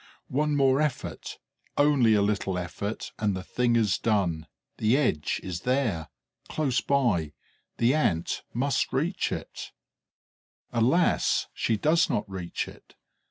One more effort, only a little effort, and the thing is done. The edge is there, close by; the Ant must reach it. Alas, she does not reach it!